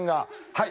はい。